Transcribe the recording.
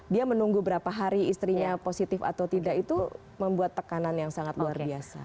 dia menunggu berapa hari istrinya positif atau tidak itu membuat tekanan yang sangat luar biasa